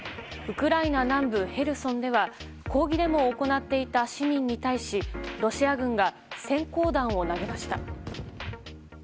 ウクライナ南部ヘルソンでは抗議デモを行っていた市民に対しロシア軍が閃光弾を投げました。